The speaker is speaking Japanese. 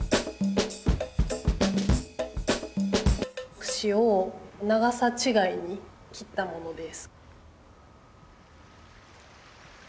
クシを長さちがいに切ったものです。